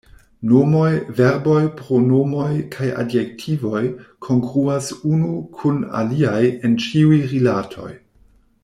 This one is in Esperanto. Nomoj, verboj, pronomoj kaj adjektivoj kongruas unu kun aliaj en ĉiuj rilatoj.